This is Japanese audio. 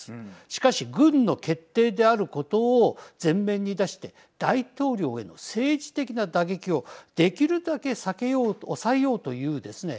しかし、軍の決定であることを前面に出して大統領への政治的な打撃をできるだけ避けようと抑えようというですね